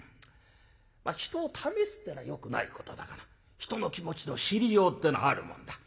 人を試すってのはよくないことだがな人の気持ちの知りようってのはあるもんだ。